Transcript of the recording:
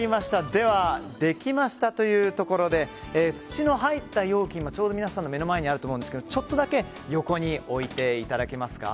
では、できましたというところで土の入った容器が皆さんの目の前にあると思うんですがちょっとだけ横に置いていただけますか？